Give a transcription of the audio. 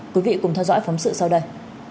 quý vị cùng theo dõi phóng sự sau đây